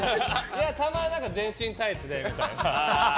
たまに全身タイツでみたいな。